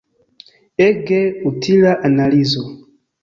Ege utila analizo!